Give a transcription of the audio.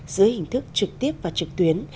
dưới hình thức trực tiếp và trực tuyến